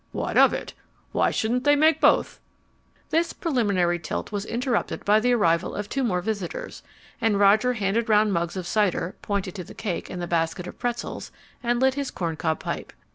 "What of it? Why shouldn't they make both?" This preliminary tilt was interrupted by the arrival of two more visitors, and Roger handed round mugs of cider, pointed to the cake and the basket of pretzels, and lit his corn cob pipe.